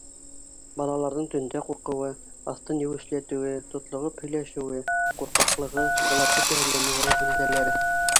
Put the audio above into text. Балаларҙың төндә ҡурҡыуы, аҫтын еүешләтеүе, тотлоғоп һөйләшеүе, ҡурҡаҡлығы — былар бөтәһе лә невроз билдәләре.